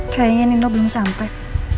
kayaknya nindo belum sampai